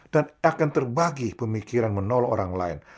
dan akan terbagi pemikiran menolong orang lain